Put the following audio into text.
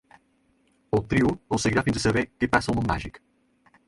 El trio els seguirà fins a saber que passa al món màgic.